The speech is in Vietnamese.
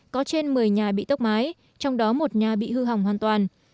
có trên một mươi nhà bị tốc mái trong đó một nhà bị hư hỏng hoàn toàn